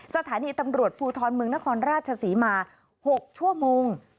สถานีตำรวจภูทรเมืองนครราชศรีมา๖ชั่วโมง